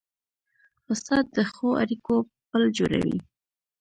استاد د ښو اړیکو پل جوړوي.